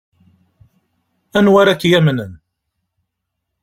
Anwa ara k-yamnen?